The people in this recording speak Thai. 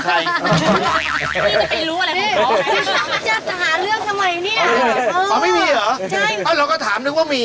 แต่เราก็ถามนึกว่ามี